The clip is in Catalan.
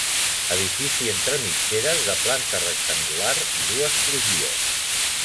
Edifici entre mitgeres de planta rectangular i dues crugies.